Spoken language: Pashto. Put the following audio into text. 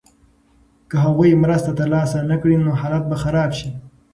که هغوی مرسته ترلاسه نکړي نو حالت به خراب شي.